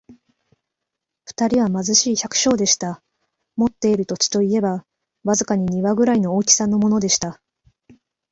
二人は貧しい百姓でした。持っている土地といえば、わずかに庭ぐらいの大きさのものでした。